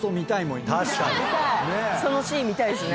そのシーン見たいですね。